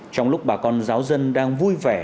trong lúc bà con giáo dân đang vui vẻ